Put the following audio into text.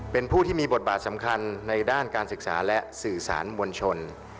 เป็นผู้ที่มีบทบาทสำคัญในด้านการศึกษาและสื่อสารมวลชน